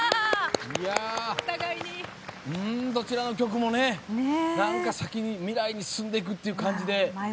どちらの曲もね、なんか未来に進んでいくっていう感じで。